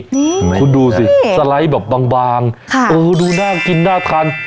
นี่คุณดูสิสไลด์แบบบางบางค่ะเออดูน่ากินน่าทัน